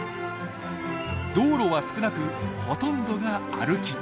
道路は少なくほとんどが歩き。